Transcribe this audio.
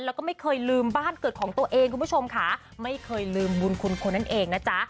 แล้วก็ไม่เคยลืมบ้านเกิดของตัวเองคุณผู้ชมค่ะไม่เคยลืมบุญคุณคนนั่นเองนะจ๊ะ